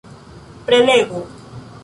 prelego